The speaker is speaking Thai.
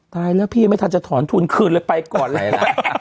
ตายแล้วพี่ไม่ทันจะถอนทุนขึ้นเลยไปก่อนแหละ